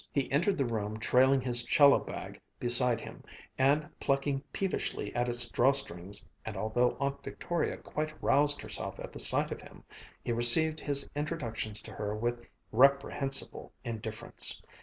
He entered the room trailing his 'cello bag beside him and plucking peevishly at its drawstrings, and although Aunt Victoria quite roused herself at the sight of him, he received his introduction to her with reprehensible indifference.